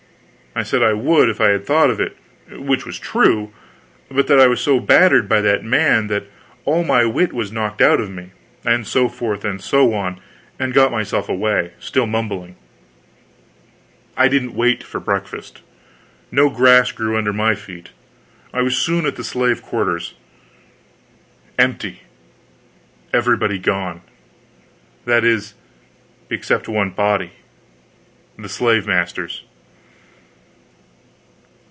I said I would if I had thought of it which was true but that I was so battered by that man that all my wit was knocked out of me and so forth and so on, and got myself away, still mumbling. I didn't wait for breakfast. No grass grew under my feet. I was soon at the slave quarters. Empty everybody gone! That is, everybody except one body the slave master's.